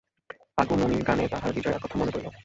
আগমনীর গানে তাঁহার বিজয়ার কথা মনে পড়িল।